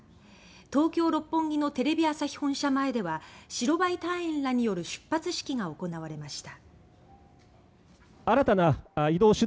東京・六本木のテレビ朝日本社前では白バイ隊員らによる出発式が行われました。